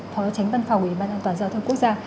phó tránh văn phòng ủy ban an toàn giao thông quốc gia